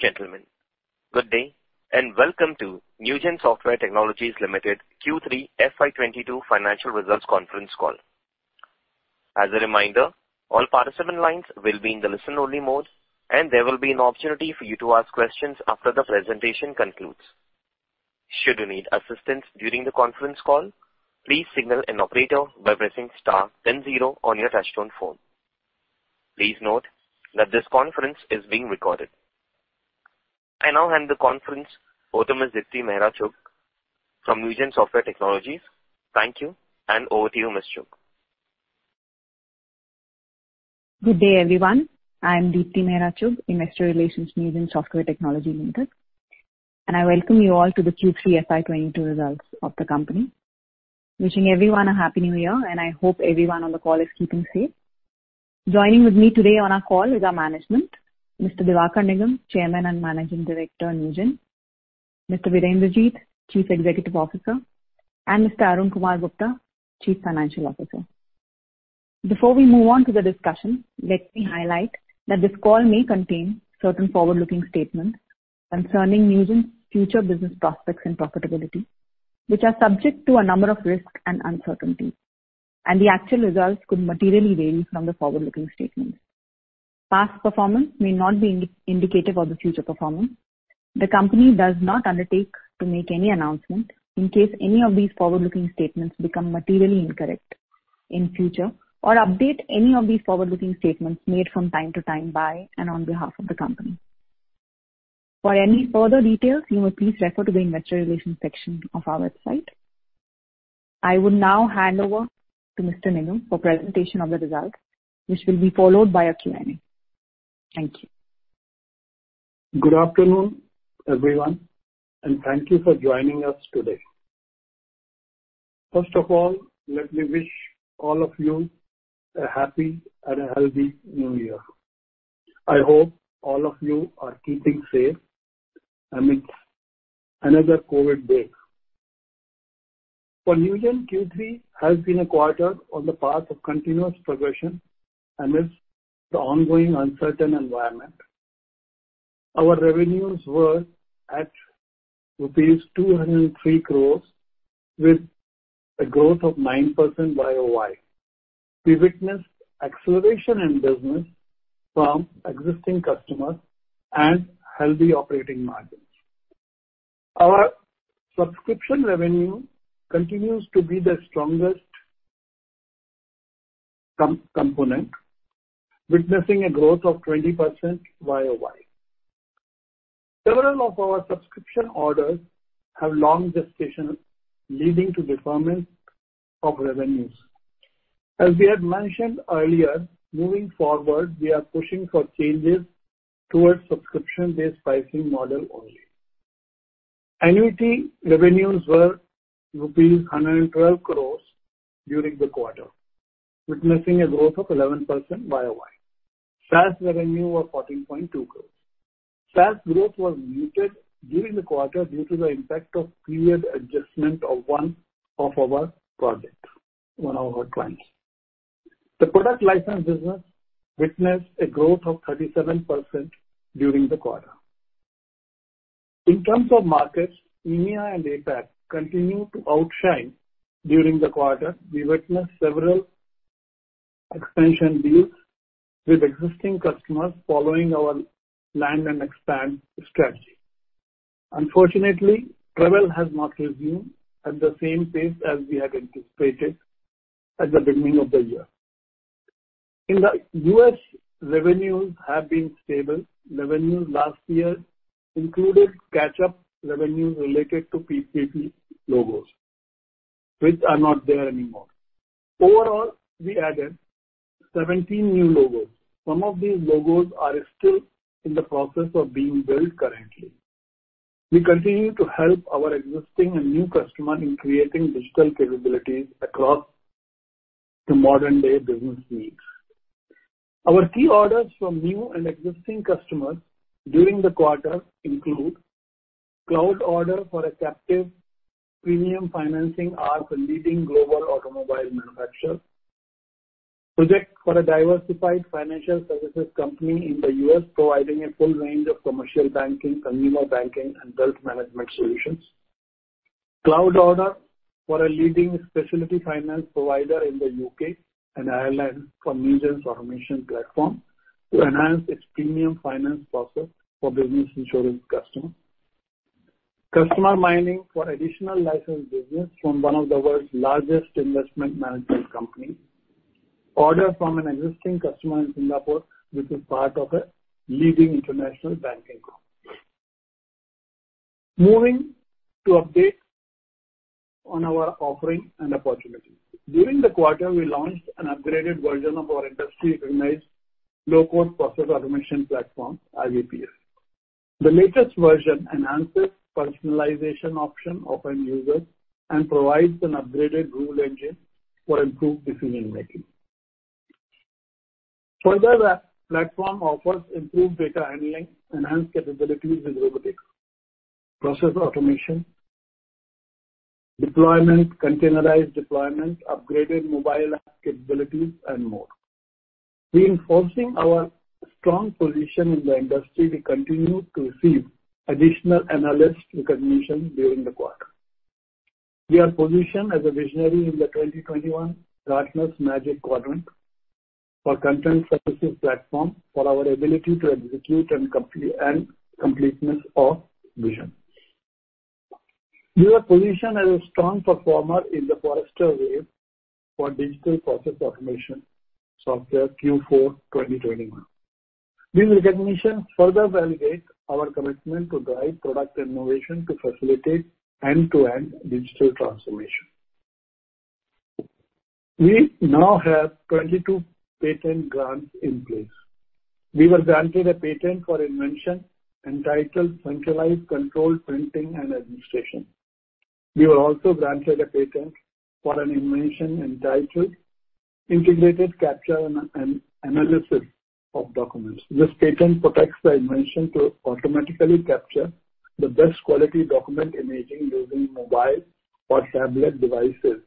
Gentlemen, good day, and welcome to Newgen Software Technologies Limited Q3 FY 2022 financial results conference call. As a reminder, all participant lines will be in the listen-only mode, and there will be an opportunity for you to ask questions after the presentation concludes. Should you need assistance during the conference call, please signal an operator by pressing star then zero on your touchtone phone. Please note that this conference is being recorded. I now hand the conference over to Ms. Deepti Mehra Chugh from Newgen Software Technologies. Thank you, and over to you, Ms. Chugh. Good day, everyone. I'm Deepti Mehra Chugh, investor relations, Newgen Software Technologies Limited, and I welcome you all to the Q3 FY 2022 results of the company. Wishing everyone a happy New Year, and I hope everyone on the call is keeping safe. Joining with me today on our call is our management, Mr. Diwakar Nigam, Chairman and Managing Director of Newgen, Mr. Virender Jeet, Chief Executive Officer, and Mr. Arun Kumar Gupta, Chief Financial Officer. Before we move on to the discussion, let me highlight that this call may contain certain forward-looking statements concerning Newgen's future business prospects and profitability, which are subject to a number of risks and uncertainties, and the actual results could materially vary from the forward-looking statements. Past performance may not be indicative of the future performance. The company does not undertake to make any announcement in case any of these forward-looking statements become materially incorrect in future or update any of these forward-looking statements made from time to time by and on behalf of the company. For any further details, you may please refer to the investor relations section of our website. I will now hand over to Mr. Nigam for presentation of the results, which will be followed by a Q&A. Thank you. Good afternoon, everyone, and thank you for joining us today. First of all, let me wish all of you a happy and a healthy New Year. I hope all of you are keeping safe amidst another COVID wave. For Newgen, Q3 has been a quarter on the path of continuous progression amidst the ongoing uncertain environment. Our revenues were at rupees 203 crores with a growth of 9% YoY. We witnessed acceleration in business from existing customers and healthy operating margins. Our subscription revenue continues to be the strongest component, witnessing a growth of 20% YoY. Several of our subscription orders have long gestations, leading to deferment of revenues. As we had mentioned earlier, moving forward, we are pushing for changes towards subscription-based pricing model only. Annuity revenues were rupees 112 crores during the quarter, witnessing a growth of 11% YoY. SaaS revenue was 14.2 crore. SaaS growth was muted during the quarter due to the impact of period adjustment of one of our projects, one of our clients. The product license business witnessed a growth of 37% during the quarter. In terms of markets, EMEA and APAC continue to outshine during the quarter. We witnessed several expansion deals with existing customers following our land and expand strategy. Unfortunately, travel has not resumed at the same pace as we had anticipated at the beginning of the year. In the U.S., revenues have been stable. Revenues last year included catch-up revenues related to PPP logos, which are not there anymore. Overall, we added 17 new logos. Some of these logos are still in the process of being built currently. We continue to help our existing and new customers in creating digital capabilities across the modern-day business needs. Our key orders from new and existing customers during the quarter include cloud order for a captive premium financing arm for leading global automobile manufacturer, project for a diversified financial services company in the U.S. providing a full range of commercial banking, consumer banking, and wealth management solutions. Cloud order for a leading specialty finance provider in the U.K. and Ireland for Newgen's automation platform to enhance its premium finance process for business insurance customers. Customer mining for additional license business from one of the world's largest investment management companies. Order from an existing customer in Singapore, which is part of a leading international banking group. Moving to update on our offering and opportunities. During the quarter, we launched an upgraded version of our industry-recognized low-code process automation platform, iBPS. The latest version enhances personalization option of end users and provides an upgraded rule engine for improved decision-making. Further, the platform offers improved data handling, enhanced capabilities in Robotic Process Automation Deployment, containerized deployment, upgraded mobile app capabilities, and more. Reinforcing our strong position in the industry, we continued to receive additional analyst recognition during the quarter. We are positioned as a visionary in the 2021 Gartner Magic Quadrant for Content Services Platform for our ability to execute and completeness of vision. We are positioned as a strong performer in the Forrester Wave for Digital Process Automation software Q4 2021. These recognitions further validate our commitment to drive product innovation to facilitate end-to-end digital transformation. We now have 22 patent grants in place. We were granted a patent for invention entitled Centralized Controlled Printing and Administration. We were also granted a patent for an invention entitled Integrated Capture and Analysis of Documents. This patent protects the invention to automatically capture the best quality document imaging using mobile or tablet devices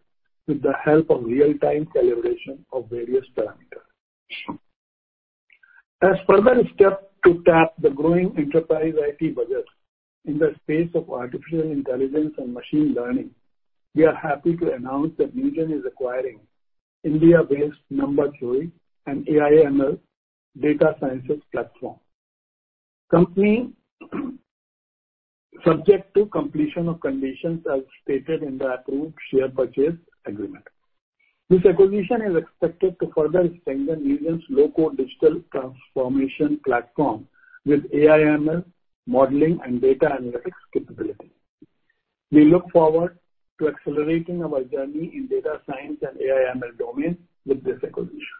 with the help of real-time calibration of various parameters. As further step to tap the growing enterprise IT budgets in the space of artificial intelligence and machine learning, we are happy to announce that Newgen is acquiring India-based Number Theory, an AI/ML data sciences platform. Subject to completion of conditions as stated in the approved share purchase agreement. This acquisition is expected to further strengthen Newgen's low-code digital transformation platform with AI/ML modeling and data analytics capability. We look forward to accelerating our journey in data science and AI/ML domain with this acquisition.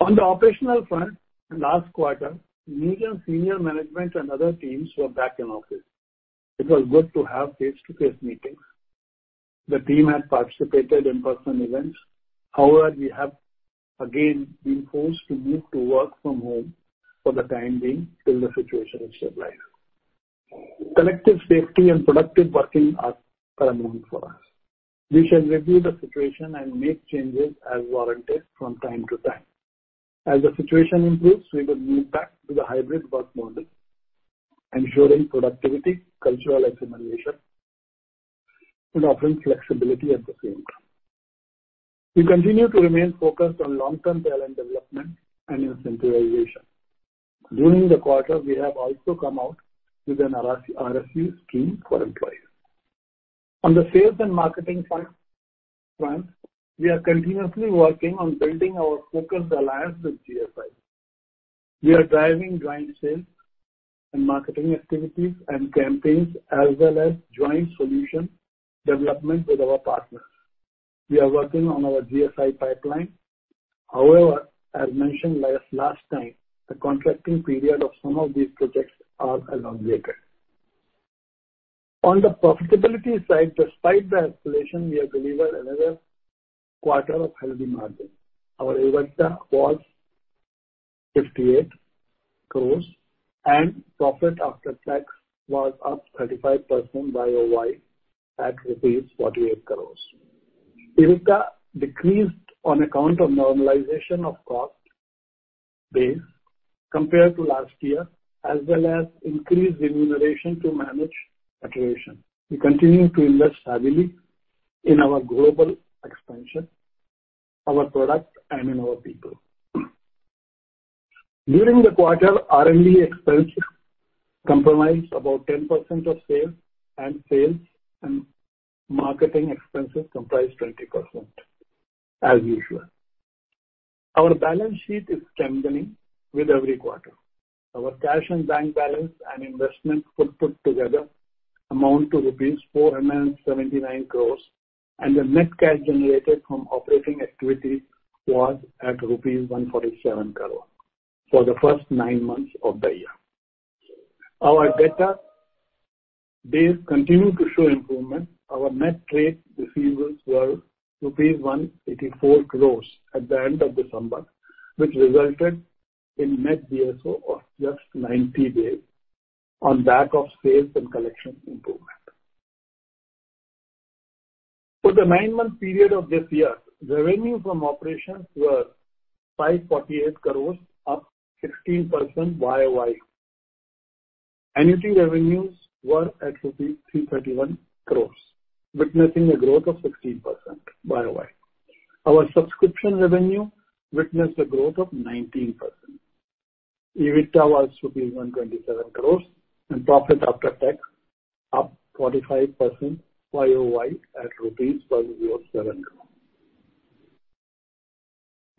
On the operational front, last quarter, Newgen senior management and other teams were back in office. It was good to have face-to-face meetings. The team has participated in personal events. We have again been forced to move to work from home for the time being till the situation is stabilized. Collective safety and productive working are paramount for us. We shall review the situation and make changes as warranted from time to time. As the situation improves, we will move back to the hybrid work model, ensuring productivity, cultural assimilation, and offering flexibility at the same time. We continue to remain focused on long-term talent development and incentivization. During the quarter, we have also come out with an RSU scheme for employees. On the sales and marketing front, we are continuously working on building our focused alliance with GSI. We are driving joint sales and marketing activities and campaigns, as well as joint solution development with our partners. We are working on our GSI pipeline. As mentioned last time, the contracting period of some of these projects are elongated. On the profitability side, despite the escalation, we have delivered another quarter of healthy margin. Our EBITDA was 58 crores, and profit after tax was up 35% YoY at INR 48 crores. EBITDA decreased on account of normalization of cost base compared to last year, as well as increased remuneration to manage attrition. We continue to invest heavily in our global expansion, our product, and in our people. During the quarter, R&D expenses comprised about 10% of sales, and sales and marketing expenses comprised 20%, as usual. Our balance sheet is strengthening with every quarter. Our cash and bank balance and investment portfolio together amount to rupees 479 crores, and the net cash generated from operating activity was at rupees 147 crore for the first nine months of the year. Our debtor days continue to show improvement. Our net trade receivables were rupees 184 crores at the end of December, which resulted in net DSO of just 90 days on back of sales and collection improvement. For the nine-month period of this year, revenue from operations were INR 548 crores, up 16% YoY. Annual revenues were at rupees 331 crores, witnessing a growth of 16% YoY. Our subscription revenue witnessed a growth of 19%. EBITDA was rupees 127 crores, and profit after tax up 45% YoY at INR 107 crores.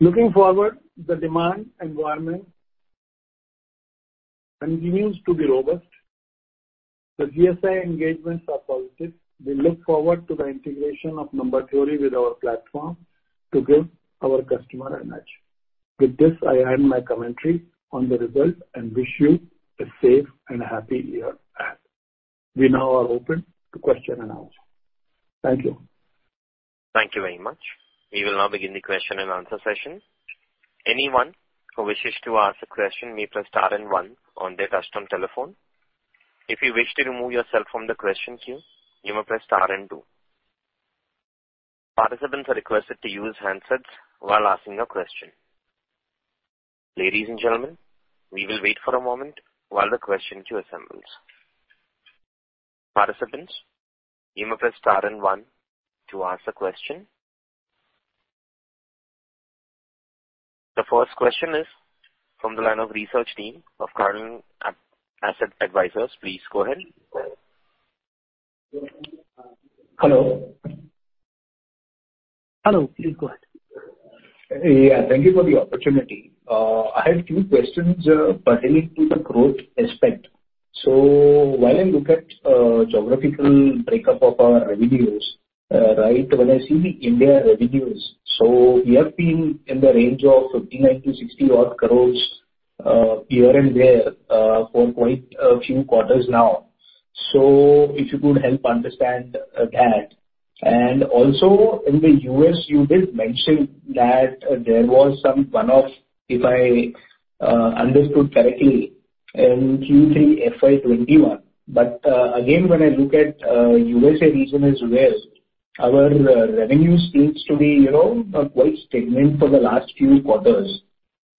Looking forward, the demand environment continues to be robust. The GSI engagements are positive. We look forward to the integration of Number Theory with our platform to give our customer an edge. With this, I end my commentary on the results and wish you a safe and happy year ahead. We now are open to question and answer. Thank you. Thank you very much. We will now begin the question and answer session. Anyone who wishes to ask a question may press star and one on their touch-tone telephone. If you wish to remove yourself from the question queue, you may press star and two. Participants are requested to use handsets while asking a question. Ladies and gentlemen, we will wait for a moment while the question queue assembles. Participants, you may press star and one to ask the question. The first question is from the line of research team of Cardinal Asset Advisory. Please go ahead. Hello. Hello. Please go ahead. Yeah. Thank you for the opportunity. I have two questions pertaining to the growth aspect. While I look at geographical breakup of our revenues, when I see the India revenues, we have been in the range of 59 crore to 60 crore here and there for quite a few quarters now. If you could help understand that. Also in the U.S., you did mention that there was some one-off, if I understood correctly, in Q3 FY 2021. Again, when I look at U.S.A. region as well, our revenues seems to be not quite stagnant for the last few quarters.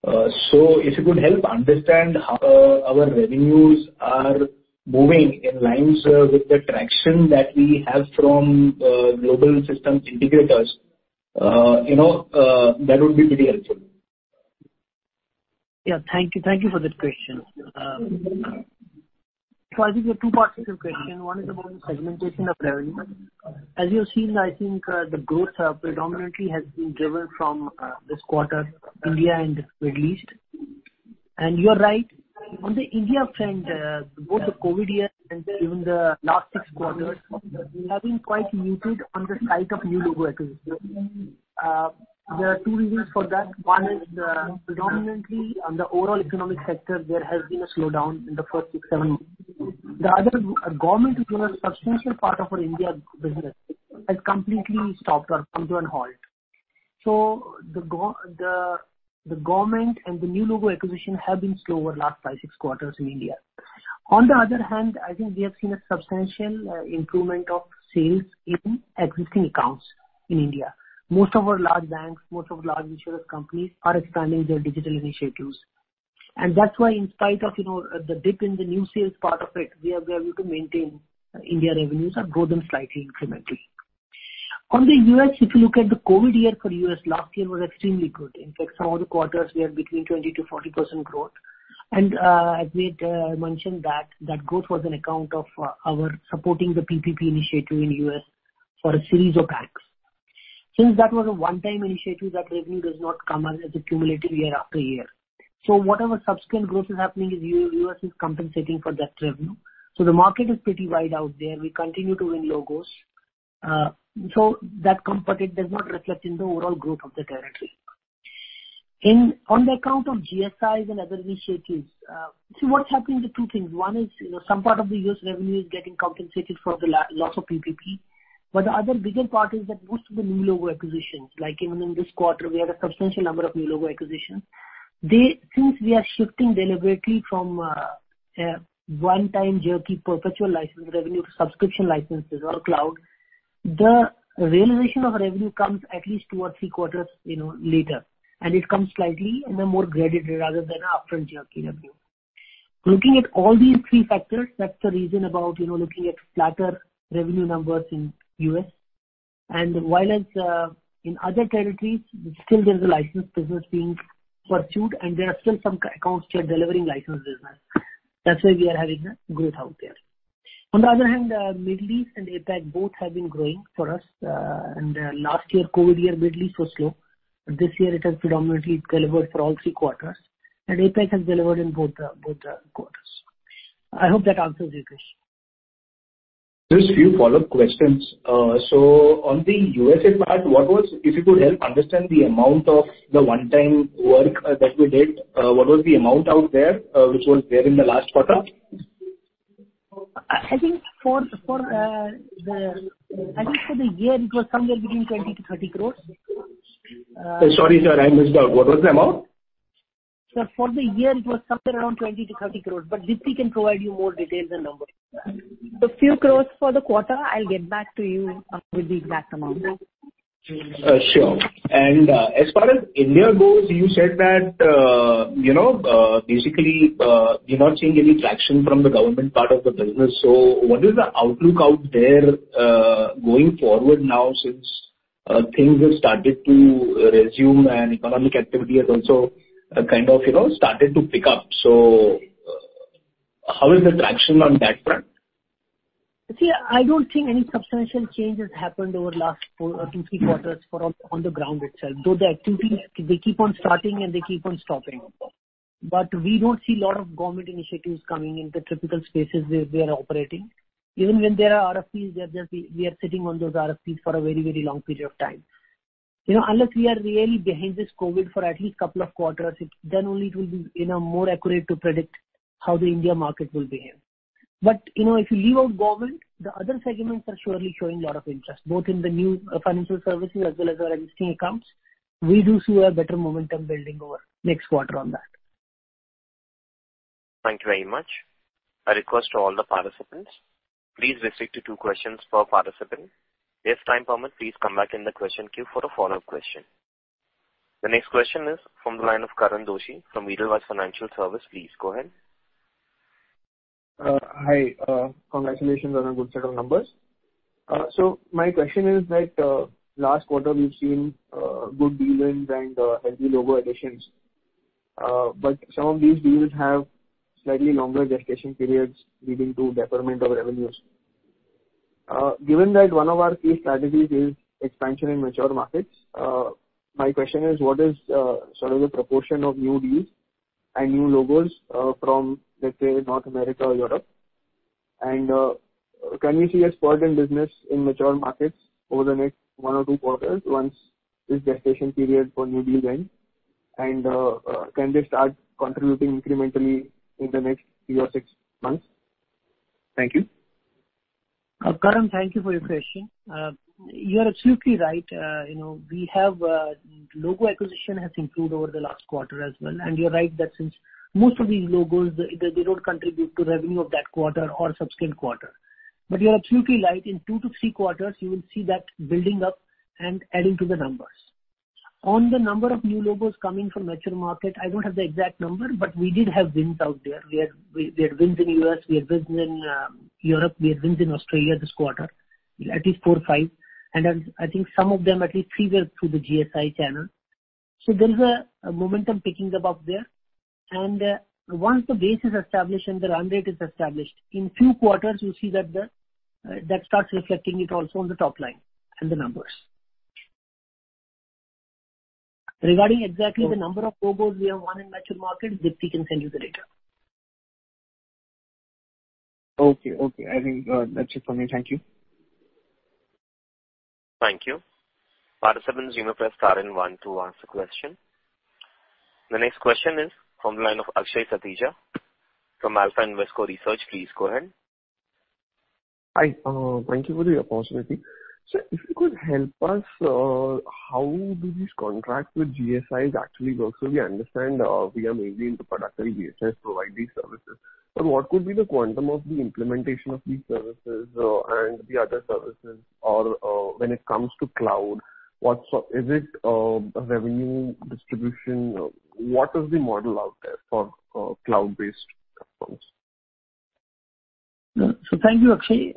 If you could help understand how our revenues are moving in lines with the traction that we have from global systems integrators. That would be very helpful. Yeah. Thank you for that question. I think there are two parts to your question. One is about segmentation of revenue. As you have seen, I think the growth predominantly has been driven from this quarter, India and Middle East. You are right. On the India front, both the COVID year and even the last six quarters have been quite muted on the site of new logo acquisition. There are two reasons for that. One is predominantly on the overall economic sector, there has been a slowdown in the first six, seven months. The other, government, which was a substantial part of our India business, has completely stopped or come to a halt. The government and the new logo acquisition have been slow over last five, six quarters in India. On the other hand, I think we have seen a substantial improvement of sales in existing accounts in India. Most of our large banks, most of large insurance companies are expanding their digital initiatives. That's why in spite of the dip in the new sales part of it, we are able to maintain India revenues or grow them slightly incrementally. On the U.S., if you look at the COVID year for U.S., last year was extremely good. In fact, some of the quarters were between 20%-40% growth. I mentioned that growth was on account of our supporting the PPP initiative in U.S. for a series of banks. Since that was a one-time initiative, that revenue does not come as accumulative year after year. Whatever subsequent growth is happening in U.S. is compensating for that revenue. The market is pretty wide out there. We continue to win logos. That component does not reflect in the overall growth of the territory. On the account of GSIs and other initiatives, what's happening is two things. Some part of the U.S. revenue is getting compensated for the loss of PPP. The other bigger part is that most of the new logo acquisitions, like even in this quarter, we had a substantial number of new logo acquisitions. Since we are shifting deliberately from a one-time jerky perpetual license revenue to subscription licenses or cloud, the realization of revenue comes at least two or three quarters later. It comes slightly in a more graduated rather than a upfront jerky revenue. Looking at all these three factors, that's the reason about looking at flatter revenue numbers in U.S. While as in other territories, still there's a license business being pursued, and there are still some accounts which are delivering license business. That's why we are having a growth out there. On the other hand, Middle East and APAC both have been growing for us. Last year, COVID year, Middle East was slow. This year it has predominantly delivered for all three quarters. APAC has delivered in both quarters. I hope that answers your question. Just few follow-up questions. On the USA part, if you could help understand the amount of the one-time work that we did, what was the amount out there, which was there in the last quarter? I think for the year it was somewhere between 20 crores-30 crores. Sorry, sir, I missed out. What was the amount? Sir, for the year it was somewhere around 20-30 crores, Dipti can provide you more details and numbers. Few crores for the quarter, I'll get back to you with the exact amount. Sure. As far as India goes, you said that basically, you're not seeing any traction from the government part of the business. What is the outlook out there, going forward now since things have started to resume and economic activity has also kind of started to pick up. How is the traction on that front? See, I don't think any substantial change has happened over last three quarters on the ground itself, though the activities, they keep on starting and they keep on stopping. We don't see lot of government initiatives coming in the typical spaces where we are operating. Even when there are RFPs, we are sitting on those RFPs for a very long period of time Unless we are really behind this COVID for at least a couple of quarters, then only it will be more accurate to predict how the India market will behave. If you leave out government, the other segments are surely showing a lot of interest, both in the new financial services as well as our MCA accounts. We do see a better momentum building over next quarter on that. Thank you very much. A request to all the participants, please restrict to two questions per participant. If time permits, please come back in the question queue for a follow-up question. The next question is from the line of Karan Doshi from Edelweiss Financial Services. Please go ahead. Hi. Congratulations on a good set of numbers. My question is that last quarter we've seen good deals and healthy logo additions. Some of these deals have slightly longer gestation periods leading to deferment of revenues. Given that one of our key strategies is expansion in mature markets, my question is, what is the proportion of new deals and new logos from, let's say, North America or Europe? Can we see a spurt in business in mature markets over the next one or two quarters once this gestation period for new deals end? Can they start contributing incrementally in the next six months? Thank you. Karan, thank you for your question. You are absolutely right. Logo acquisition has improved over the last quarter as well. You're right that since most of these logos, they don't contribute to revenue of that quarter or subsequent quarter. You're absolutely right. In two to three quarters, you will see that building up and adding to the numbers. On the number of new logos coming from mature market, I don't have the exact number, but we did have wins out there. We had wins in U.S., we had wins in Europe, we had wins in Australia this quarter, at least four or five. I think some of them, at least three, were through the GSI channel. There is a momentum picking above there. Once the base is established and the run rate is established, in few quarters, you'll see that start reflecting it also on the top line and the numbers. Regarding exactly the number of logos we have won in mature markets, Deepti can send you the data. Okay. I think that's it for me. Thank you. Thank you. Participants, you may press star and one to ask a question. The next question is from the line of Akshay Satija from Alpha Invesco Research. Please go ahead. Hi. Thank you for the opportunity. Sir, if you could help us, how do these contracts with GSIs actually work? We understand we are mainly into product, and GSIs provide these services. What could be the quantum of the implementation of these services and the other services? When it comes to cloud, is it a revenue distribution? What is the model out there for cloud-based platforms? Thank you, Akshay.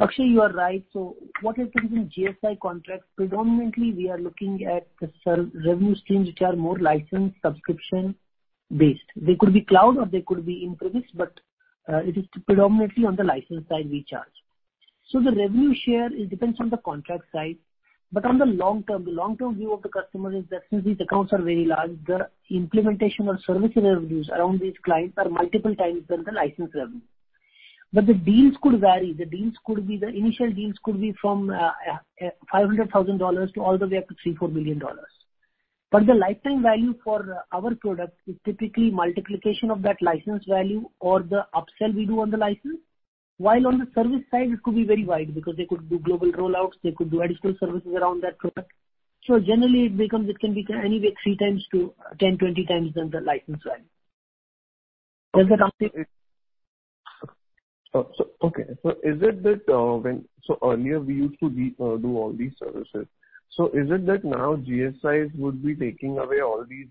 Akshay, you are right. What is included in GSI contracts, predominantly we are looking at the revenue streams which are more license subscription-based. They could be cloud or they could be increased, but it is predominantly on the license side we charge. The revenue share, it depends on the contract size. On the long term, the long-term view of the customer is that since these accounts are very large, the implementation or service revenues around these clients are multiple times than the license revenue. The deals could vary. The initial deals could be from $500,000 all the way up to $3 billion, $4 billion. The lifetime value for our product is typically multiplication of that license value or the upsell we do on the license. While on the service side, it could be very wide because they could do global rollouts, they could do additional services around that product. Generally, it can be anywhere 3 times to 10, 20 times than the license value. Does that answer it? Okay. Earlier we used to do all these services. Is it that now GSIs would be taking away all these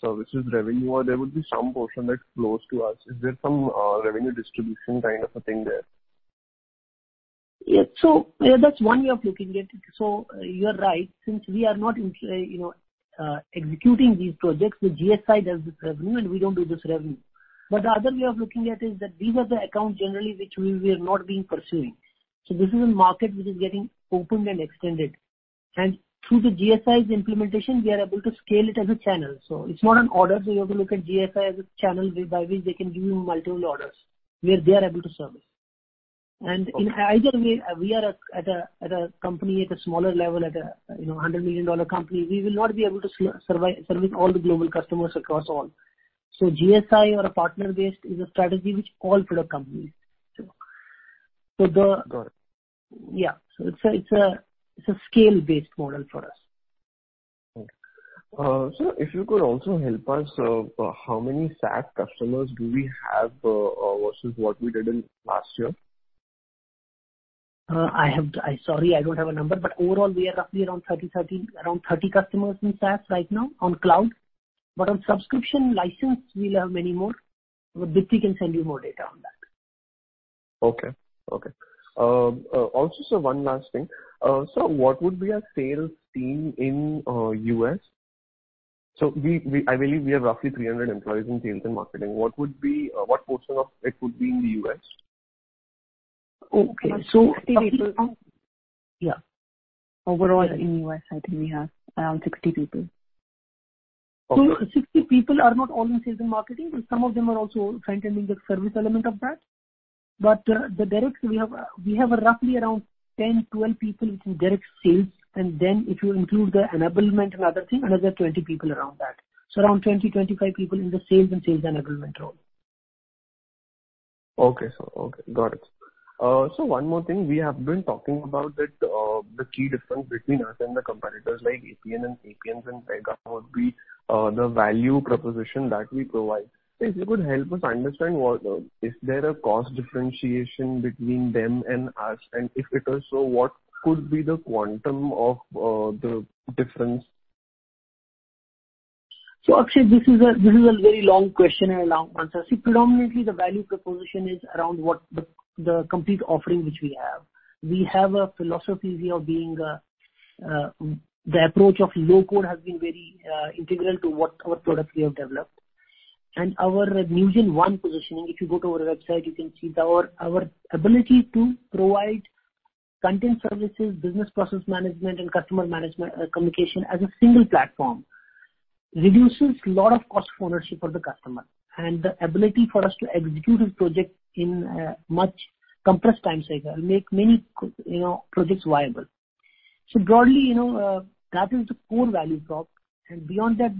services revenue, or there would be some portion that flows to us? Is there some revenue distribution kind of a thing there? Yeah. That's one way of looking at it. You're right. Since we are not executing these projects, the GSI does this revenue, and we don't do this revenue. The other way of looking at is that these are the accounts generally which we are not being pursuing. This is a market which is getting opened and extended. Through the GSIs implementation, we are able to scale it as a channel. It's not an order. You have to look at GSI as a channel by which they can give you multiple orders where they are able to service. Okay. In either way, we are at a company at a smaller level, at an INR 100 million company, we will not be able to service all the global customers across all. GSI or a partner-based is a strategy which all product companies do. Got it. Yeah. It's a scale-based model for us. Okay. Sir, if you could also help us, how many SaaS customers do we have versus what we did in last year? Sorry, I don't have a number, overall, we are roughly around 30 customers in SaaS right now on cloud. On subscription license, we'll have many more. Dipti can send you more data on that. Okay. Also, sir, one last thing. Sir, what would be our sales team in U.S.? I believe we have roughly 300 employees in sales and marketing. What portion of it would be in the U.S.? Okay. Around 60 people. Yeah. Overall in U.S., I think we have around 60 people. 60 people are not all in sales and marketing, but some of them are also front-ending the service element of that. The direct, we have roughly around 10, 12 people in direct sales. Then if you include the enablement and other things, another 20 people around that. Around 20, 25 people in the sales and sales enablement role. Okay, sir. Okay, got it. One more thing. We have been talking about the key difference between us and the competitors like Appian and Appian's and Pega would be the value proposition that we provide. If you could help us understand, is there a cost differentiation between them and us? If it is so, what could be the quantum of the difference? Akshay, this is a very long question and a long answer. Predominantly the value proposition is around what the complete offering which we have. We have a philosophy of being. The approach of low-code has been very integral to what our product we have developed. Our NewgenONE positioning, if you go to our website, you can see that our ability to provide Content Services, Business Process Management, and Customer Communication Management as a single platform reduces a lot of cost of ownership for the customer. The ability for us to execute a project in a much compressed time cycle make many projects viable. Broadly, that is the core value prop. Beyond that,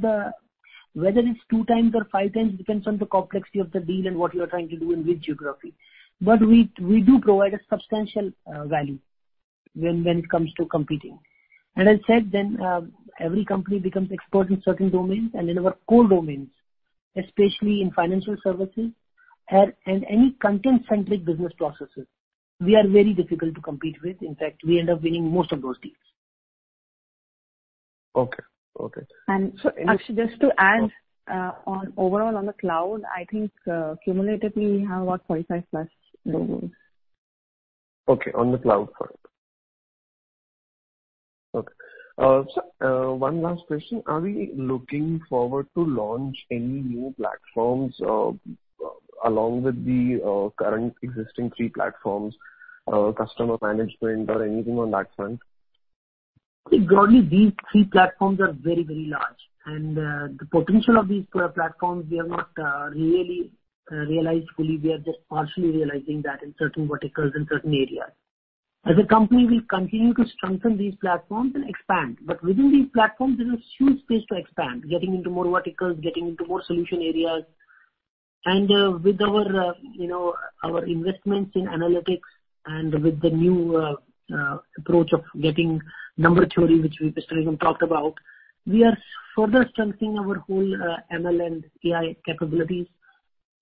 whether it's two times or five times, depends on the complexity of the deal and what you are trying to do and with geography. We do provide a substantial value when it comes to competing. I said then, every company becomes expert in certain domains and in our core domains, especially in financial services and any content-centric business processes, we are very difficult to compete with. In fact, we end up winning most of those deals. Okay. Akshay, just to add, on overall on the cloud, I think, cumulatively we have about 45+ logos. Okay. On the cloud part. Okay. One last question. Are we looking forward to launch any new platforms along with the current existing three platforms, Customer Communication Management or anything on that front? See, broadly, these three platforms are very large. The potential of these platforms, we have not really realized fully. We are just partially realizing that in certain verticals, in certain areas. As a company, we'll continue to strengthen these platforms and expand. Within these platforms, there's a huge space to expand, getting into more verticals, getting into more solution areas. With our investments in analytics and with the new approach of getting Number Theory, which we just even talked about, we are further strengthening our whole ML and AI capabilities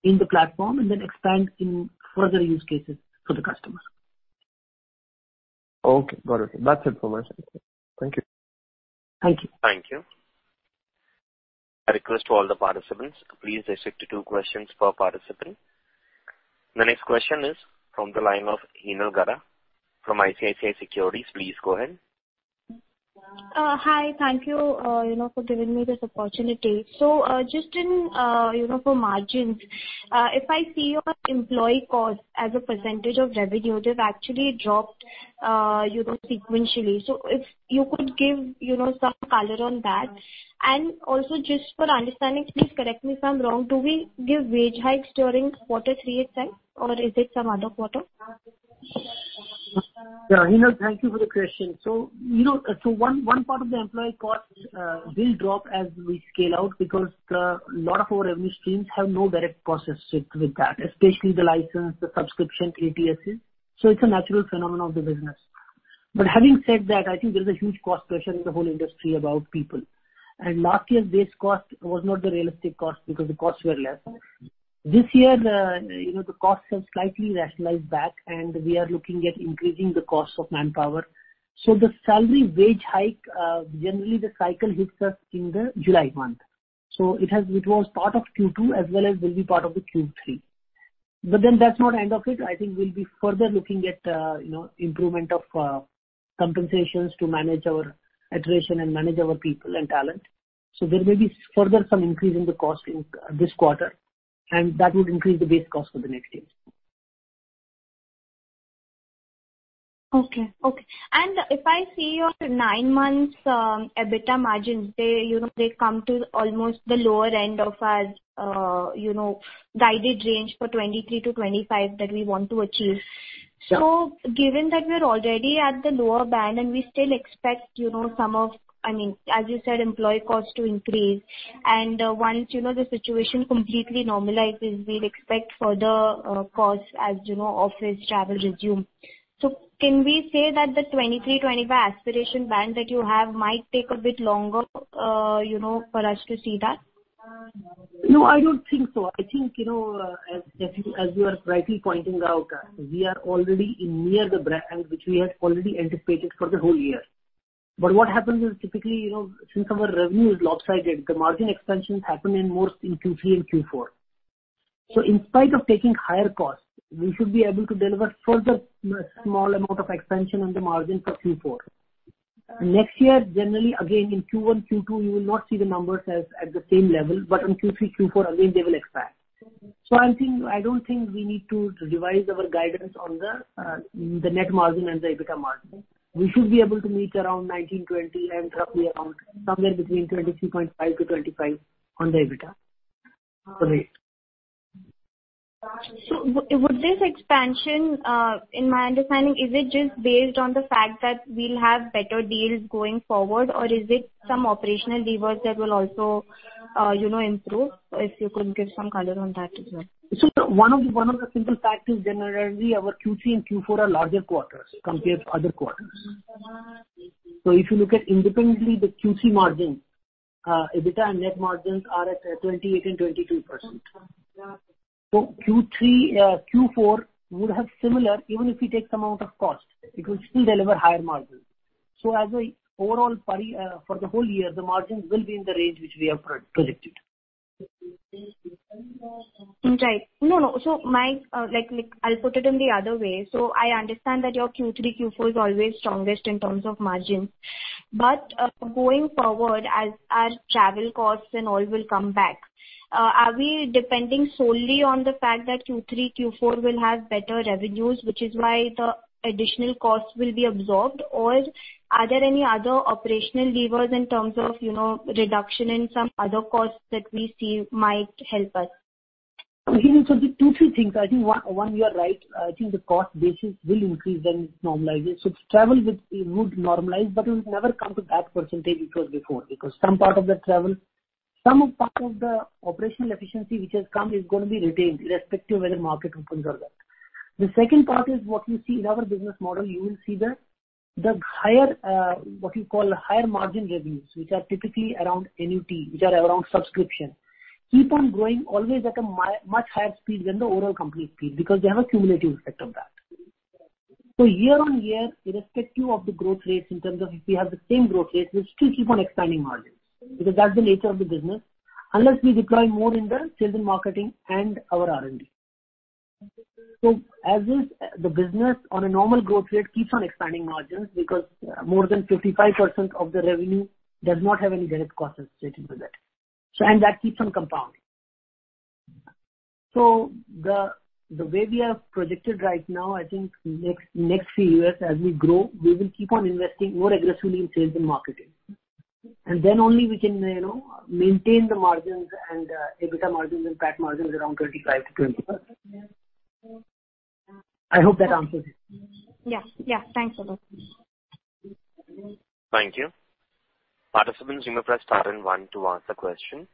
in the platform and then expand in further use cases for the customer. Okay. Got it. That's it from my side. Thank you. Thank you. Thank you. A request to all the participants. Please restrict to two questions per participant. The next question is from the line of Hinal Gara from ICICI Securities. Please go ahead. Hi. Thank you for giving me this opportunity. Just for margins, if I see your employee cost as a percentage of revenue, they've actually dropped sequentially. If you could give some color on that. Also just for understanding, please correct me if I'm wrong, do we give wage hikes during quarter three itself or is it some other quarter? Yeah. Hinal, thank you for the question. One part of the employee cost will drop as we scale out because a lot of our revenue streams have no direct cost associated with that, especially the license, the subscription, ATSs. It's a natural phenomenon of the business. Having said that, I think there's a huge cost pressure in the whole industry about people. Last year's base cost was not the realistic cost because the costs were less. This year, the costs have slightly rationalized back and we are looking at increasing the cost of manpower. The salary wage hike, generally the cycle hits us in the July month. It was part of Q2 as well as will be part of the Q3. That's not end of it. I think we'll be further looking at improvement of compensations to manage our attrition and manage our people and talent. There may be further some increase in the cost in this quarter and that would increase the base cost for the next year. Okay. If I see your 9 months EBITDA margins, they come to almost the lower end of our guided range for 23%-25% that we want to achieve. Sure. Given that we're already at the lower band and we still expect some of, I mean, as you said, employee costs to increase and once the situation completely normalizes, we'll expect further costs as office travel resumes. Can we say that the 23%-25% aspiration band that you have might take a bit longer for us to see that? No, I don't think so. I think as you are rightly pointing out, we are already in near the band which we had already anticipated for the whole year. What happens is typically, since our revenue is lopsided, the margin expansions happen in more in Q3 and Q4. In spite of taking higher costs, we should be able to deliver further small amount of expansion on the margin for Q4. Next year, generally again in Q1, Q2 you will not see the numbers as at the same level, but in Q3, Q4 again they will expand. I don't think we need to revise our guidance on the net margin and the EBITDA margin. We should be able to meet around 19%-20% and roughly around somewhere between 23.5%-25% on the EBITDA. Great. Would this expansion, in my understanding, is it just based on the fact that we'll have better deals going forward, or is it some operational levers that will also improve? If you could give some color on that as well. One of the simple facts is generally our Q3 and Q4 are larger quarters compared to other quarters. If you look at independently, the Q3 margin, EBITDA and net margins are at 28% and 23%. Q4 would have similar, even if we take some out of cost, it will still deliver higher margins. As a overall for the whole year, the margins will be in the range which we have projected. Right. No, no. I'll put it in the other way. I understand that your Q3, Q4 is always strongest in terms of margins. Going forward, as our travel costs and all will come back, are we depending solely on the fact that Q3, Q4 will have better revenues, which is why the additional costs will be absorbed, or are there any other operational levers in terms of reduction in some other costs that we see might help us? Two, three things. I think one, you are right. I think the cost basis will increase when it normalizes. Travel would normalize, but it will never come to that percentage it was before. Some part of the travel, some part of the operational efficiency which has come is going to be retained irrespective of whether market opens or not. The second part is what you see in our business model. You will see the higher margin revenues, which are typically around annuity, which are around subscription. Keep on growing always at a much higher speed than the overall company speed because they have a cumulative effect of that. Year-on-year, irrespective of the growth rates in terms of if we have the same growth rates, we still keep on expanding margins because that's the nature of the business. Unless we deploy more in the sales and marketing and our R&D. As is, the business on a normal growth rate keeps on expanding margins because more than 55% of the revenue does not have any direct costs associated with it. That keeps on compounding. The way we have projected right now, I think next few years as we grow, we will keep on investing more aggressively in sales and marketing. Then only we can maintain the margins and EBITDA margins and PAT margins around 25%-20%. I hope that answers it. Yeah. Thanks a lot. Thank you. Participant you may press star and one to ask a question.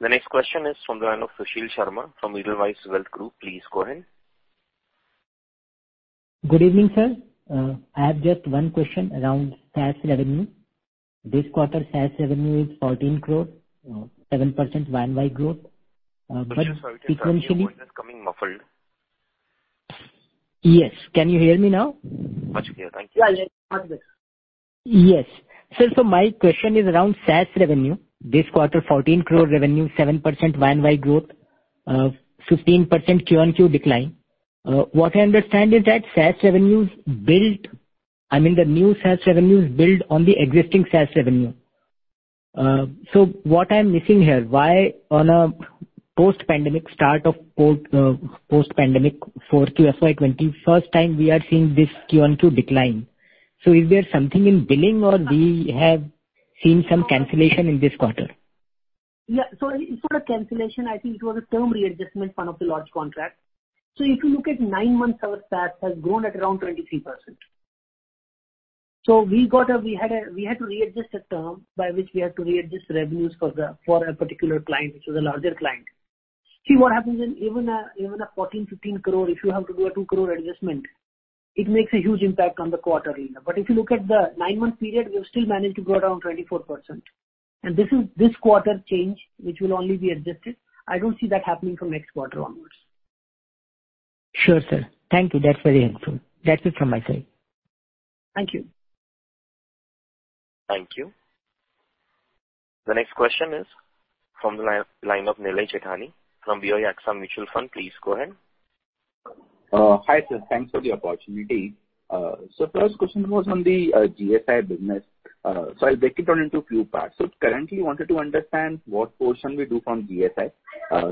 The next question is from the line of Sushil Sharma from Edelweiss Wealth Management. Please go ahead. Good evening, sir. I have just one question around SaaS revenue. This quarter SaaS revenue is 14 crore, 7% YoY growth. Sequentially- Mr. Sushil, your voice is coming muffled. Yes. Can you hear me now? Much clear. Thank you. Yeah. Yes. Yes. Sir, my question is around SaaS revenue. This quarter, 14 crore revenue, 7% YoY growth, 15% QOQ decline. What I understand is that SaaS revenues, I mean, the new SaaS revenues build on the existing SaaS revenue. What I'm missing here, why on a post-pandemic start of post-pandemic for QFY 2020, first time we are seeing this QOQ decline. Is there something in billing or we have seen some cancellation in this quarter? Yeah. It's not a cancellation. I think it was a term readjustment, one of the large contracts. If you look at nine months, our SaaS has grown at around 23%. We had to readjust the term by which we had to readjust revenues for a particular client, which is a larger client. See, what happens in even a 14 crore-15 crore, if you have to do a 2 crore adjustment, it makes a huge impact on the quarter arena. If you look at the nine-month period, we have still managed to grow around 24%. This quarter change, which will only be adjusted, I don't see that happening from next quarter onwards. Sure, sir. Thank you. That's very helpful. That's it from my side. Thank you. Thank you. The next question is from the line of Nilesh Jethani from ICICI Prudential Mutual Fund. Please go ahead. Hi, sir. Thanks for the opportunity. First question was on the GSI business. I'll break it down into a few parts. Currently wanted to understand what portion we do from GSI.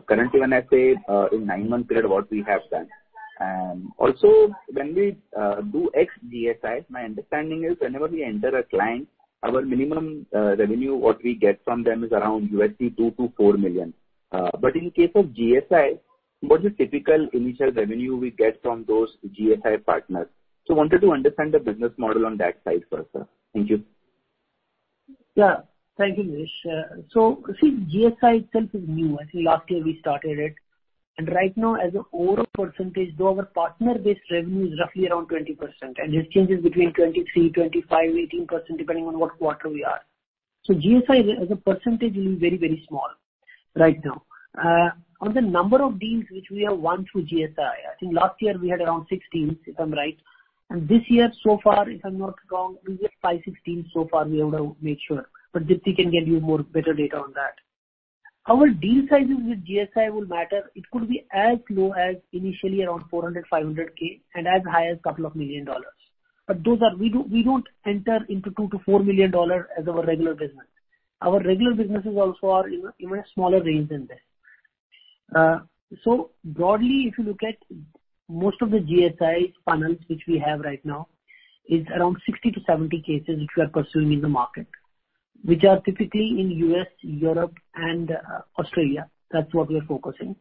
Currently when I say in nine-month period what we have done. Also when we do ex-GSI, my understanding is whenever we enter a client, our minimum revenue what we get from them is around $2 million-$4 million. In case of GSI, what is the typical initial revenue we get from those GSI partners? Wanted to understand the business model on that side first, sir. Thank you. Thank you, Nilesh. See, GSI itself is new. I think last year we started it. Right now as an overall percentage, though our partner base revenue is roughly around 20%. This changes between 23%, 25%, 18%, depending on what quarter we are. GSI as a percentage will be very, very small right now. On the number of deals which we have won through GSI, I think last year we had around 16, if I'm right. This year so far, if I'm not wrong, we have 5, 16 so far we have to make sure. Dipti can get you more better data on that. Our deal sizes with GSI will matter. It could be as low as initially around $400K-$500K and as high as a couple of million dollars. We don't enter into $2 million-$4 million as our regular business. Our regular businesses also are even a smaller range than this. Broadly, if you look at most of the GSI funnels which we have right now, is around 60-70 cases which we are pursuing in the market, which are typically in U.S., Europe and Australia. That's what we are focusing.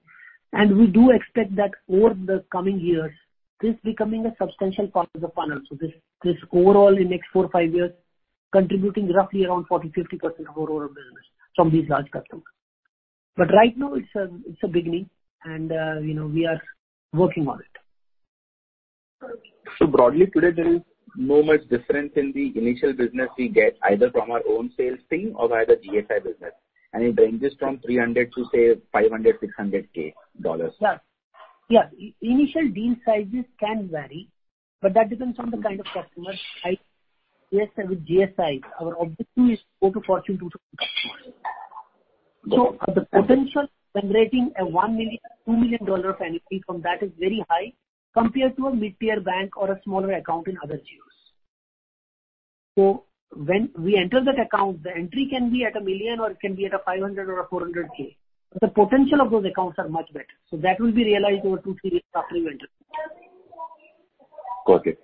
We do expect that over the coming years, this becoming a substantial part of the funnel. This overall in next four or five years, contributing roughly around 40%-50% of overall business from these large customers. Right now it's a beginning and we are working on it. Broadly today, there is no much difference in the initial business we get either from our own sales team or either GSI business, and it ranges from $300K to say $500K-$600K. Yeah. Initial deal sizes can vary, that depends on the kind of customers. With GSIs, our objective is go to Fortune 200. The potential generating 1 million, INR 2 million annually from that is very high compared to a mid-tier bank or a smaller account in other geos. When we enter that account, the entry can be at 1 million or it can be at 500K or 400K, the potential of those accounts are much better. That will be realized over two, three years after we enter. Got it.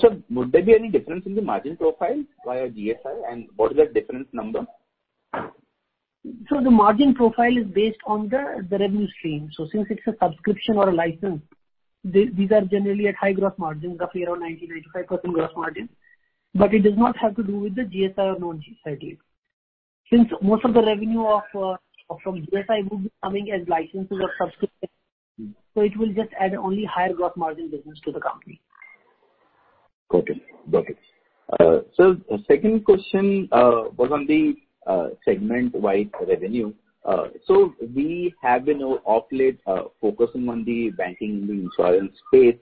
Sir, would there be any difference in the margin profile via GSI and what is that difference number? The margin profile is based on the revenue stream. Since it's a subscription or a license, these are generally at high gross margins, roughly around 90%-95% gross margin, it does not have to do with the GSI or non-GSI deal. Since most of the revenue from GSI will be coming as licenses or subscription, it will just add only higher gross margin business to the company. Got it. Sir, second question was on the segment-wide revenue. We have been of late focusing on the banking and the insurance space,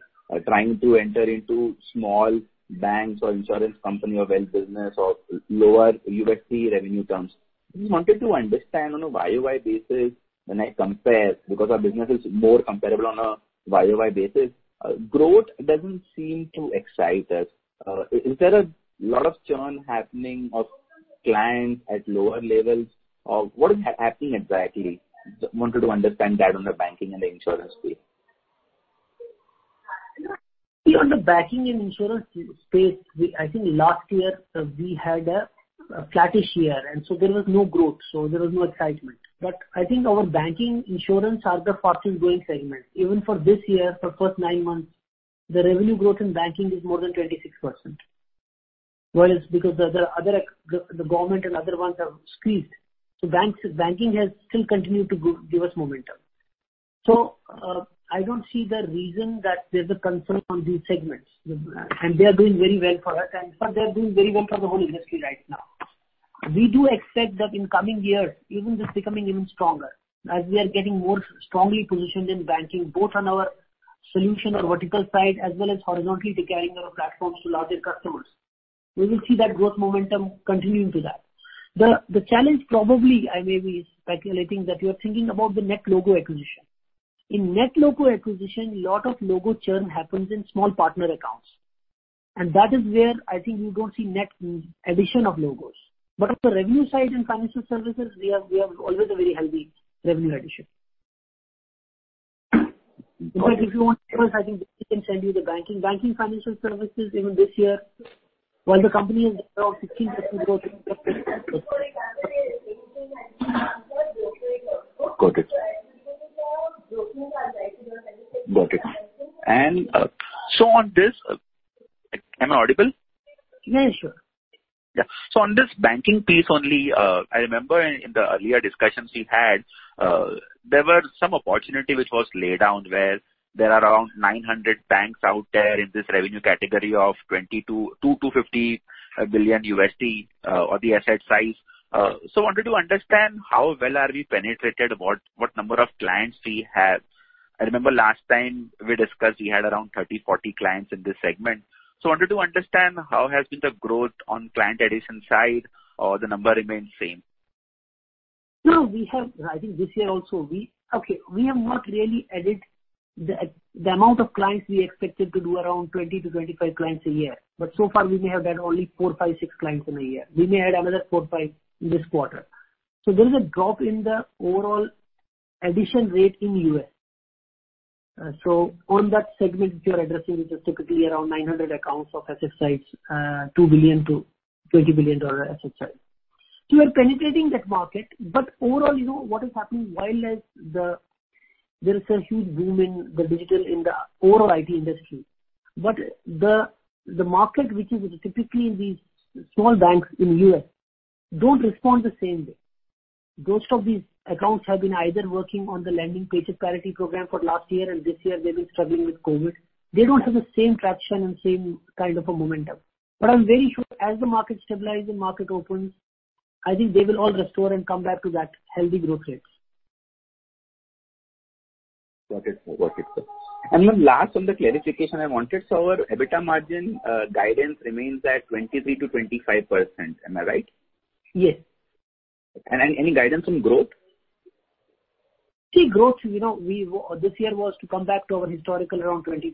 trying to enter into small banks or insurance company or wealth business or lower USD revenue terms. Just wanted to understand on a YoY basis when I compare, because our business is more comparable on a YoY basis, growth doesn't seem to excite us. Is there a lot of churn happening of clients at lower levels? What is happening exactly? Just wanted to understand that on the banking and insurance space. On the banking and insurance space, I think last year we had a flattish year, there was no growth, there was no excitement. I think our banking, insurance are the fast growing segment. Even for this year, for first 9 months, the revenue growth in banking is more than 26%. Because the government and other ones have squeezed. Banking has still continued to give us momentum. I don't see the reason that there's a concern on these segments. They are doing very well for us, and in fact they're doing very well for the whole industry right now. We do expect that in coming years, even this becoming even stronger. As we are getting more strongly positioned in banking, both on our solution or vertical side, as well as horizontally taking our platforms to larger customers. We will see that growth momentum continuing to that. The challenge probably, I may be speculating, that you're thinking about the net logo acquisition. In net logo acquisition, lot of logo churn happens in small partner accounts. That is where I think you don't see net addition of logos. On the revenue side, in financial services, we have always a very healthy revenue addition. In fact, if you want, I think we can send you the banking financial services even this year, while the company has grown 15%-16% Got it. Am I audible? Yeah, sure. Yeah. On this banking piece only, I remember in the earlier discussions we've had, there were some opportunity which was laid down where there are around 900 banks out there in this revenue category of $2 billion to $50 billion USD or the asset size. Wanted to understand how well are we penetrated, what number of clients we have. I remember last time we discussed, we had around 30, 40 clients in this segment. Wanted to understand how has been the growth on client addition side or the number remains same? No, I think this year also, we have not really added the amount of clients we expected to do around 20 to 25 clients a year. So far, we may have done only four, five, six clients in a year. We may add another four, five in this quarter. There is a drop in the overall addition rate in U.S. On that segment which you are addressing, which is typically around 900 accounts of asset size $2 billion to $20 billion asset size. We are penetrating that market, overall, what is happening, while there is a huge boom in the digital, in the overall IT industry. The market which is typically in these small banks in U.S. don't respond the same way. Most of these accounts have been either working on the lending PPP program for last year and this year they've been struggling with COVID. They don't have the same traction and same kind of a momentum. I'm very sure as the market stabilizes, the market opens, I think they will all restore and come back to that healthy growth rates. Got it. One last on the clarification I wanted. Our EBITDA margin guidance remains at 23%-25%, am I right? Yes. Any guidance on growth? See growth. This year was to come back to our historical around 20%.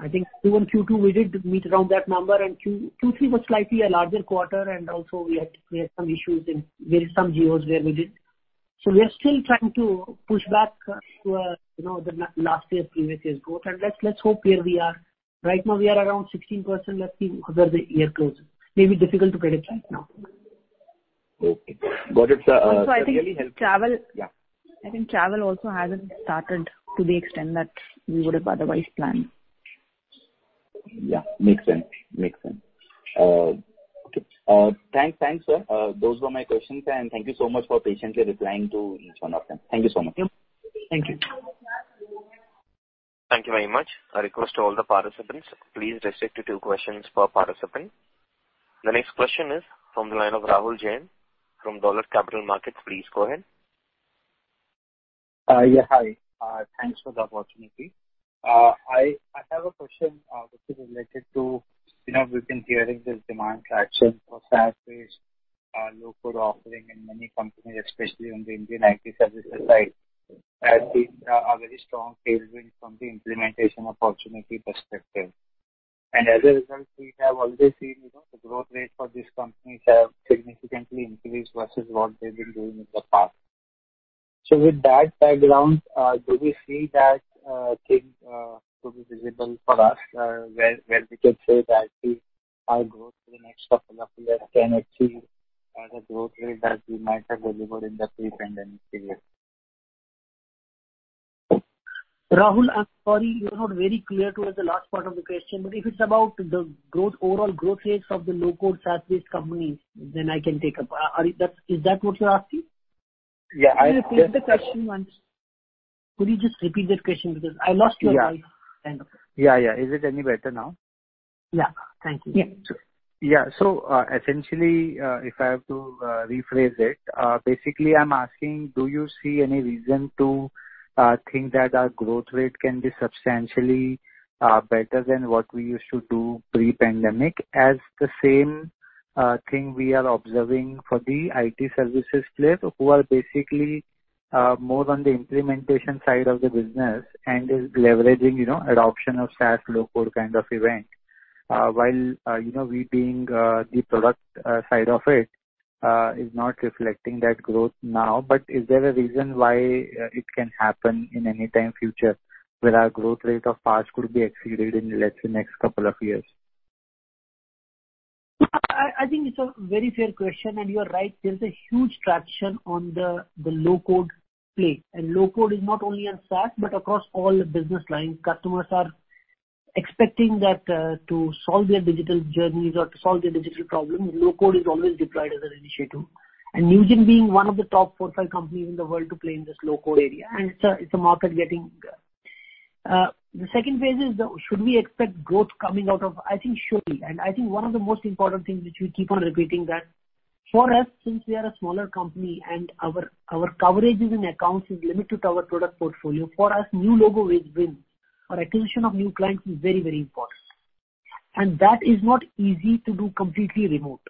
I think Q1, Q2, we did meet around that number, and Q3 was slightly a larger quarter, and also we had some issues in some geos where we didn't. We are still trying to push back to the last year, previous year's growth. Let's hope here we are. Right now we are around 16%, let's see whether the year closes. May be difficult to predict right now. Okay. Got it, sir. Also, I think. Yeah. I think travel also hasn't started to the extent that we would have otherwise planned. Yeah, makes sense. Okay. Thanks, sir. Those were my questions. Thank you so much for patiently replying to each one of them. Thank you so much. Thank you. Thank you very much. A request to all the participants, please restrict to two questions per participant. The next question is from the line of Rahul Jain from Dolat Capital Market. Please go ahead. Hi. Thanks for the opportunity. I have a question which is related to, we've been hearing this demand traction for SaaS-based low-code offering in many companies, especially on the Indian IT services side, has seen a very strong tailwind from the implementation opportunity perspective. As a result, we have already seen the growth rate for these companies have significantly increased versus what they've been doing in the past. With that background, do we see that thing to be visible for us where we could say that our growth in the next couple of years can actually have a growth rate that we might have delivered in the pre-pandemic period? Rahul, I'm sorry, you're not very clear towards the last part of the question, if it's about the overall growth rates of the low-code SaaS-based companies then I can take up. Is that what you're asking? Yeah. Can you repeat the question once? Could you just repeat that question because I lost you right at the end of it. Is it any better now? Thank you. Essentially, if I have to rephrase it, basically I'm asking, do you see any reason to think that our growth rate can be substantially better than what we used to do pre-pandemic? The same thing we are observing for the IT services player who are basically more on the implementation side of the business and is leveraging adoption of SaaS low-code kind of event. While we being the product side of it, is not reflecting that growth now. Is there a reason why it can happen in any time future, where our growth rate of past could be exceeded in, let's say, next couple of years? I think it's a very fair question, and you are right. There's a huge traction on the low-code play. Low-code is not only on SaaS, but across all business lines. Customers are expecting that to solve their digital journeys or to solve their digital problems, low-code is always deployed as an initiative. Newgen being one of the top four, five companies in the world to play in this low-code area. I think surely. I think one of the most important things which we keep on repeating, that for us, since we are a smaller company and our coverage is in accounts is limited to our product portfolio. For us, new logo is win. Our acquisition of new clients is very important. That is not easy to do completely remote.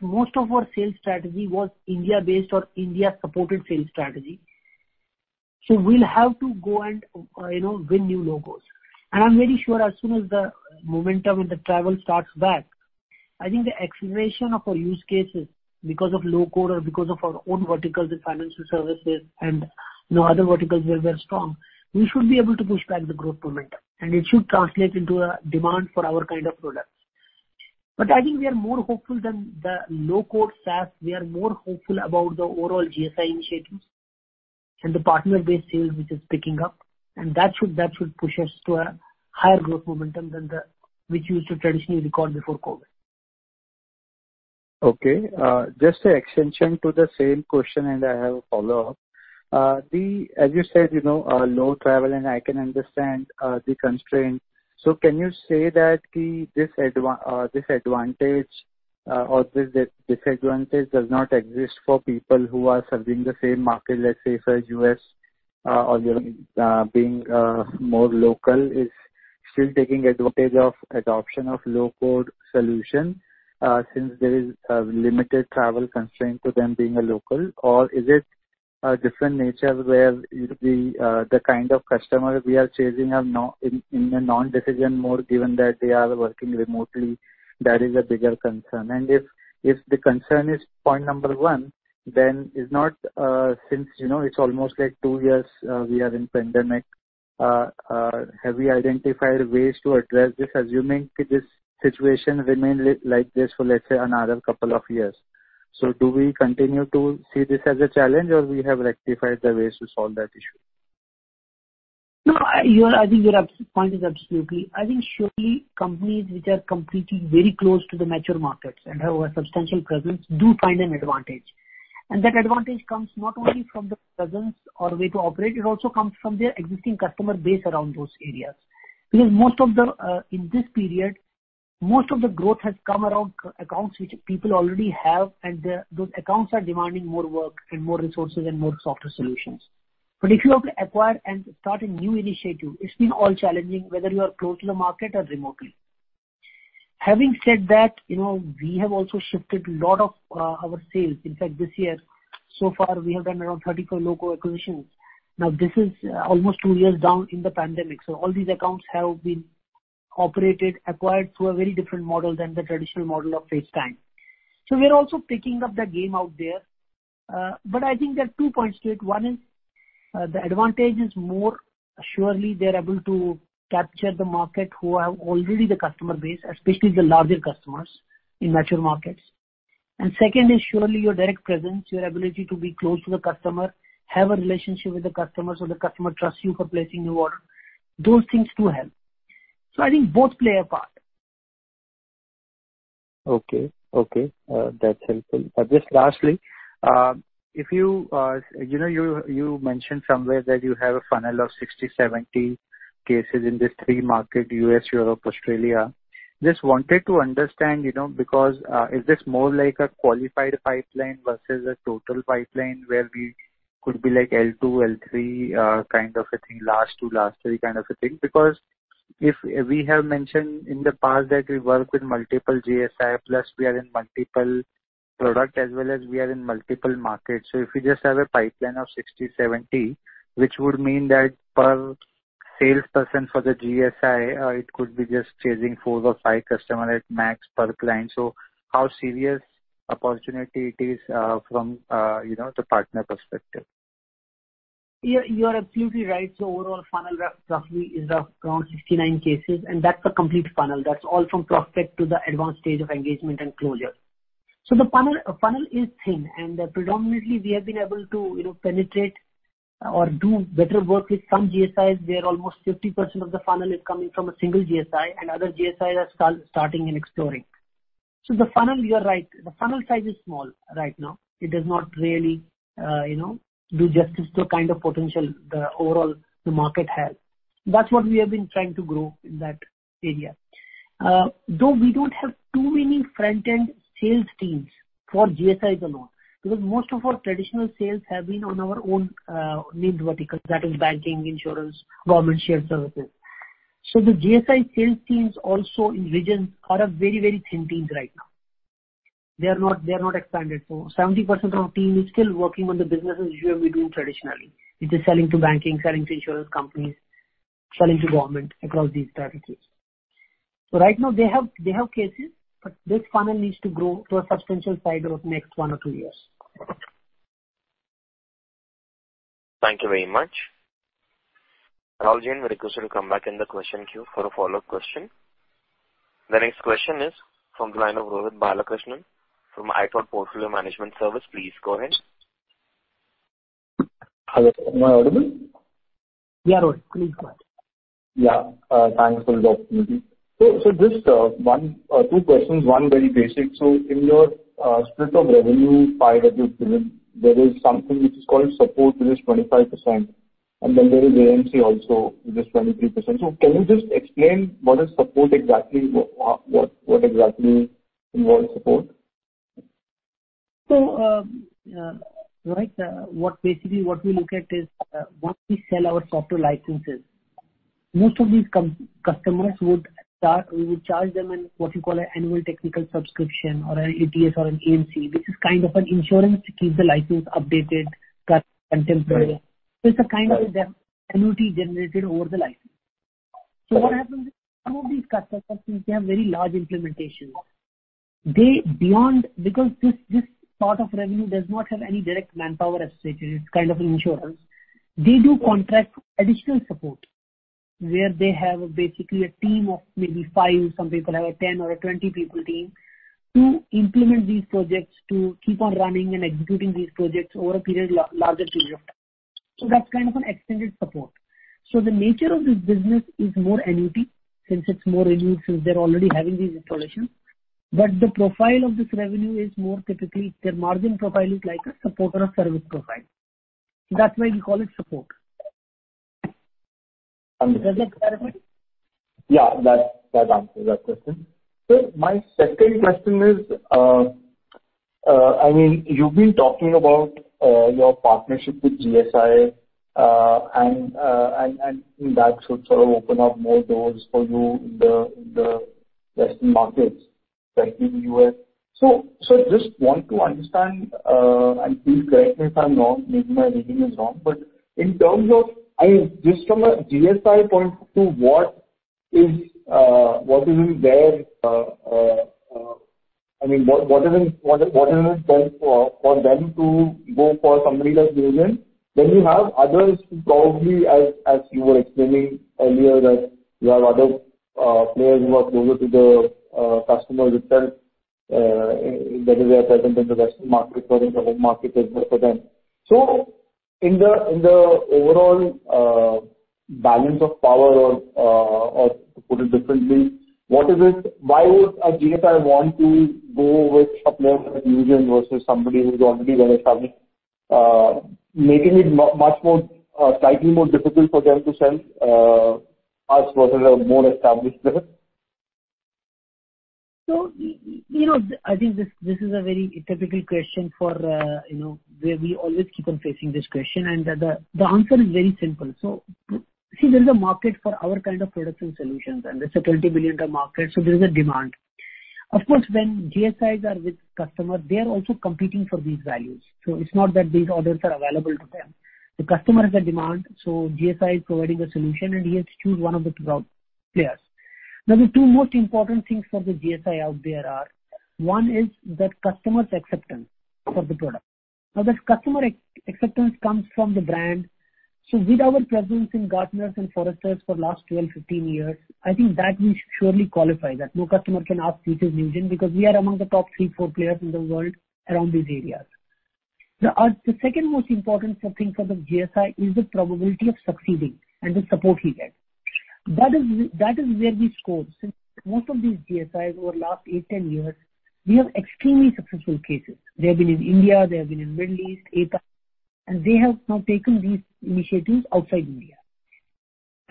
Most of our sales strategy was India-based or India-supported sales strategy. We'll have to go and win new logos. I'm very sure as soon as the momentum and the travel starts back, I think the acceleration of our use cases, because of low-code or because of our own verticals in financial services and other verticals where we're strong, we should be able to push back the growth momentum, and it should translate into a demand for our kind of products. I think we are more hopeful than the low-code SaaS. We are more hopeful about the overall GSI initiatives and the partner-based sales, which is picking up, and that should push us to a higher growth momentum than we used to traditionally record before COVID. Okay. Just an extension to the same question, and I have a follow-up. As you said, no travel, and I can understand the constraint. Can you say that this advantage or this disadvantage does not exist for people who are serving the same market, let's say for U.S. or being more local, is still taking advantage of adoption of low-code solution, since there is limited travel constraint to them being a local? Is it a different nature where the kind of customer we are chasing are in a non-decision mode, given that they are working remotely, that is a bigger concern. If the concern is point number 1, then is not, since it's almost like two years we are in pandemic, have we identified ways to address this, assuming this situation remain like this for, let's say, another couple of years? Do we continue to see this as a challenge, or we have rectified the ways to solve that issue? No. I think your point is absolutely. I think surely companies which are completely very close to the mature markets and have a substantial presence do find an advantage. That advantage comes not only from the presence or way to operate, it also comes from their existing customer base around those areas. In this period, most of the growth has come around accounts which people already have, and those accounts are demanding more work and more resources and more software solutions. If you have to acquire and start a new initiative, it's been all challenging, whether you are close to the market or remotely. Having said that, we have also shifted a lot of our sales. In fact, this year, so far, we have done around 34 local acquisitions. This is almost two years down in the pandemic, all these accounts have been operated, acquired through a very different model than the traditional model of face time. We are also picking up the game out there. I think there are two points to it. One is, the advantage is more. Surely, they are able to capture the market who have already the customer base, especially the larger customers in mature markets. Second is surely your direct presence, your ability to be close to the customer, have a relationship with the customer, so the customer trusts you for placing the order. Those things do help. I think both play a part. Okay. That is helpful. Just lastly, you mentioned somewhere that you have a funnel of 60, 70 cases in these three markets, U.S., Europe, Australia. Just wanted to understand, because is this more like a qualified pipeline versus a total pipeline where we could be like L2, L3 kind of a thing, last two, last three kind of a thing? We have mentioned in the past that we work with multiple GSI, plus we are in multiple product as well as we are in multiple markets. If you just have a pipeline of 60, 70, which would mean that per salesperson for the GSI, it could be just chasing four or five customer at max per client. How serious opportunity it is from the partner perspective? You are absolutely right. Overall funnel roughly is of around 69 cases, and that is a complete funnel. That is all from prospect to the advanced stage of engagement and closure. The funnel is thin, and predominantly we have been able to penetrate or do better work with some GSIs where almost 50% of the funnel is coming from a single GSI and other GSIs are starting and exploring. The funnel, you are right, the funnel size is small right now. It does not really do justice to the kind of potential the overall market has. That is what we have been trying to grow in that area. Though we do not have too many front-end sales teams for GSIs alone. Most of our traditional sales have been on our own named verticals, that is banking, insurance, government shared services. The GSI sales teams also in region are a very thin teams right now. They are not expanded. 70% of our team is still working on the businesses which we have been doing traditionally, which is selling to banking, selling to insurance companies, selling to government across these verticals. Right now they have cases, but this funnel needs to grow to a substantial size over the next one or two years. Thank you very much. All join requested to come back in the question queue for a follow-up question. The next question is from the line of Rohit Balakrishnan from ithought Portfolio Management Service. Please go ahead. Hello, am I audible? You are, Rohit. Please go ahead. Yeah. Thanks for the opportunity. Just two questions, one very basic. In your split of revenue pie that you've given, there is something which is called support, which is 25%, and then there is AMC also, which is 23%. Can you just explain what is support exactly? What exactly involves support? Rohit, basically what we look at is, once we sell our software licenses, most of these customers, we would charge them what you call an annual technical subscription or an ATS or an AMC, which is kind of an insurance to keep the license updated, current, contemporary. It's a kind of an annuity generated over the license. What happens is, some of these customers, since they have very large implementations. Because this part of revenue does not have any direct manpower associated, it's kind of an insurance. They do contract additional support where they have basically a team of maybe five, some people have a 10 or a 20 people team to implement these projects, to keep on running and executing these projects over a larger period of time. That's kind of an extended support. The nature of this business is more annuity since they're already having these installations. The profile of this revenue is more typically their margin profile is like a support or a service profile. That's why we call it support. Does that clarify? Yeah. That answers that question. My second question is, you've been talking about your partnership with GSI, and that should sort of open up more doors for you in the Western markets, especially the U.S. Just want to understand, and please correct me if I'm wrong, maybe my reading is wrong, but in terms of just from a GSI point to what is in there, what is in it then for them to go for somebody like Newgen? You have others who probably, as you were explaining earlier, that you have other players who are closer to the customer itself, whether they are present in the Western market or in the home market as well for them. In the overall balance of power, or to put it differently, why would a GSI want to go with a partner like Newgen versus somebody who's already very established, making it slightly more difficult for them to sell us versus a more established player? I think this is a very typical question where we always keep on facing this question, and the answer is very simple. See, there is a market for our kind of products and solutions, and it's a $20 billion market, so there's a demand. Of course, when GSIs are with customers, they are also competing for these values. It's not that these orders are available to them. The customer has a demand, so GSI is providing a solution and he has to choose one of the top players. The two most important things for the GSI out there are, one is the customer's acceptance for the product. This customer acceptance comes from the brand. With our presence in Gartner and Forrester for the last 12, 15 years, I think that we surely qualify that. No customer can ask, "Which is Newgen?" Because we are among the top three, four players in the world around these areas. The second most important thing for the GSI is the probability of succeeding and the support he gets. That is where we score. Since most of these GSIs over the last eight, 10 years, we have extremely successful cases. They have been in India, they have been in Middle East, APAC, and they have now taken these initiatives outside India.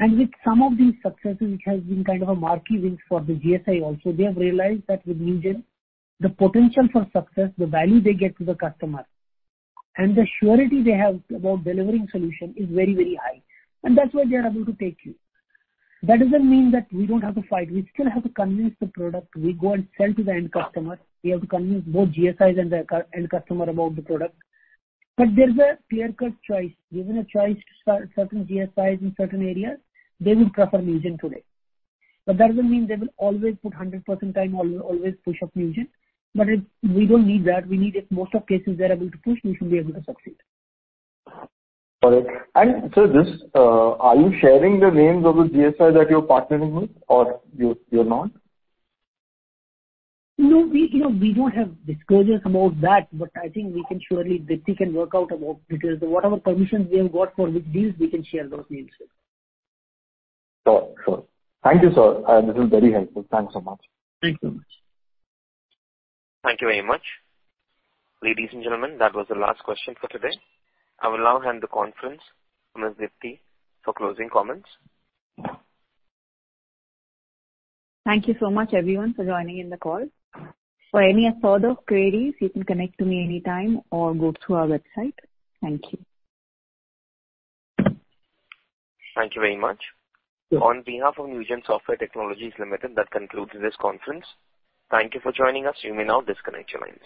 With some of these successes, which has been kind of a marquee win for the GSI also, they have realized that with Newgen, the potential for success, the value they get to the customer, and the surety they have about delivering solution is very high. That's why they are able to take you. That doesn't mean that we don't have to fight. We still have to convince the product. We go and sell to the end customer. We have to convince both GSIs and the end customer about the product. There's a clear-cut choice. Given a choice to certain GSIs in certain areas, they would prefer Newgen today. That doesn't mean they will always put 100% time or always push up Newgen. We don't need that. We need if most of cases they're able to push, we should be able to succeed. Got it. Sir, are you sharing the names of the GSI that you're partnering with or you're not? No, we don't have disclosures about that. I think we can surely, Deepti can work out about because whatever permissions we have got for which deals we can share those names with. Sure. Thank you, sir. This is very helpful. Thanks so much. Thank you. Thank you very much. Ladies and gentlemen, that was the last question for today. I will now hand the conference to Ms. Deepti for closing comments. Thank you so much, everyone, for joining in the call. For any further queries, you can connect to me anytime or go to our website. Thank you. Thank you very much. On behalf of Newgen Software Technologies Limited, that concludes this conference. Thank you for joining us. You may now disconnect your lines.